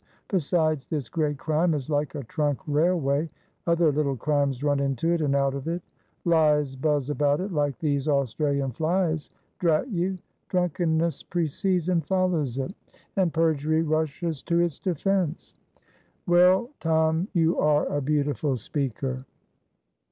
Besides, this great crime is like a trunk railway, other little crimes run into it and out of it; lies buzz about it like these Australian flies drat you! Drunkenness precedes and follows it, and perjury rushes to its defense." "Well, Tom, you are a beautiful speaker."